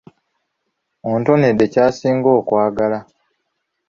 Ontonedde kye nsinga okwagala.